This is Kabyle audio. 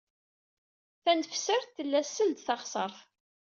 Tanesfart tella seld taɣsert.